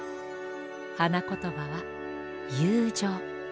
はなことばは「ゆうじょう」。